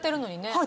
はい。